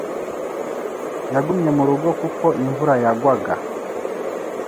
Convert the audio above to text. yagumye murugo kuko imvura yagwaga.